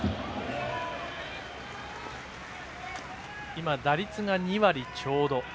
今、打率が２割ちょうど。